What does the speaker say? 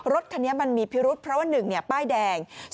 รถคันนี้มันมีพิรุษเพราะว่า๑ป้ายแดง